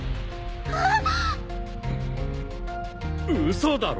嘘だろ。